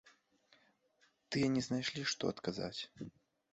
Тыя не знайшлі, што адказаць.